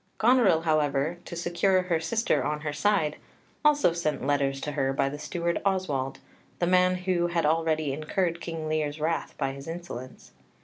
Goneril, however, to secure her sister on her side, also sent letters to her by the steward Oswald, the man who had already incurred King Lear's wrath by his insolence.